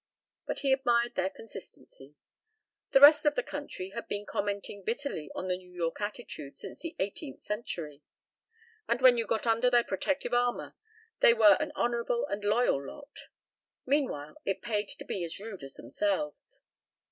But he admired their consistency. The rest of the country had been commenting bitterly on the New York attitude since the eighteenth century. And when you got under their protective armor they were an honorable and a loyal lot. Meanwhile it paid to be as rude as themselves.